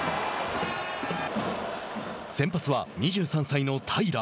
先発は２３歳の平良。